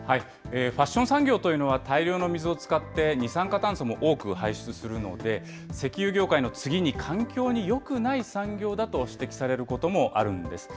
ファッション産業というのは、大量の水を使って二酸化炭素も多く排出するので、石油業界の次に環境によくない産業だと指摘されることもあるんです。